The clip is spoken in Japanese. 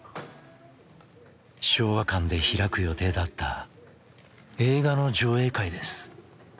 昭和館で開く予定だった映画の上映会です。